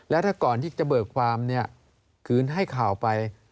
แล้วถ้าก่อนที่จะเบิกความเนี่ยคือให้ข่าวไป